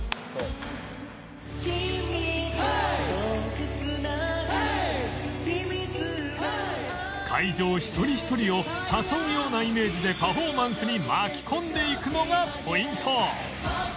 「君と僕繋ぐ秘密の合言葉」会場一人一人を誘うようなイメージでパフォーマンスに巻き込んでいくのがポイント